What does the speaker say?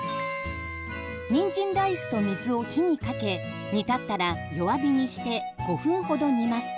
にんじんライスと水を火にかけ煮立ったら弱火にして５分ほど煮ます。